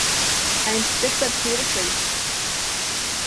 Аинспекторцәа ирҳәои?